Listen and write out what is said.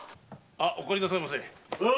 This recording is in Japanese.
おかえりなさいませ。